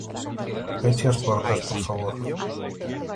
Peche as portas, por favor.